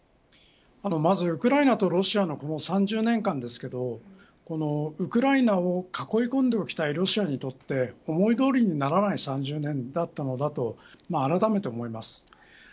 まずウクライナとロシアのこの３０年間ですけれどウクライナを囲い込んでおきたいロシアにとって思いどおりにならない３０年だったのだとあらためて思います。